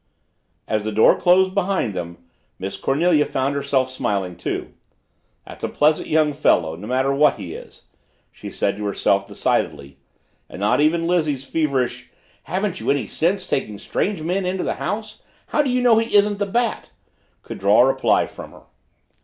As the door closed behind them, Miss Cornelia found herself smiling too. "That's a pleasant young fellow no matter what he is," she said to herself decidedly, and not even Lizzie's feverish "Haven't you any sense taking strange men into the house? How do you know he isn't the Bat?" could draw a reply from her.